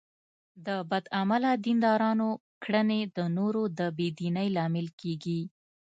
د بد عمله دیندارانو کړنې د نورو د بې دینۍ لامل کېږي.